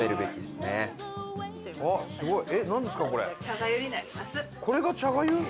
すごい！